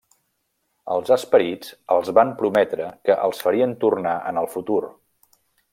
Els esperits els van prometre que els farien tornar en el futur.